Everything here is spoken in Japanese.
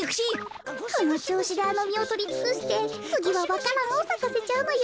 このちょうしであのみをとりつくしてつぎはわか蘭をさかせちゃうのよ。